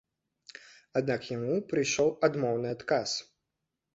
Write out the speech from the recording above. Аднак яму прыйшоў адмоўны адказ.